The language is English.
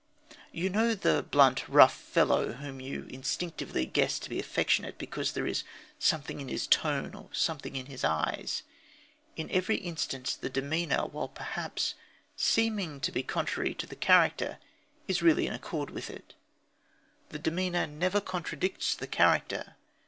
You know the blunt, rough fellow whom you instinctively guess to be affectionate because there is "something in his tone" or "something in his eyes." In every instance the demeanour, while perhaps seeming to be contrary to the character, is really in accord with it. The demeanour never contradicts the character.